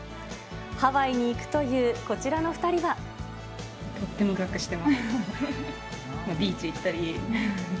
ハワイに行くというこちらの２人とってもわくわくしています。